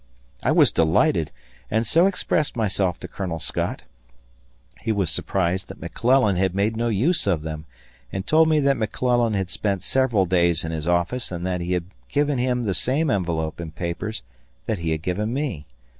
I was delighted and so expressed myself to Colonel Scott. He was surprised that McClellan had made no use of them and told me that McClellan had spent several days in his office and that he had given him the same envelope and papers that he had given me.